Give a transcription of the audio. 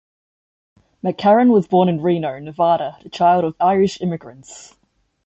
McCarran was born in Reno, Nevada, the child of Irish immigrants.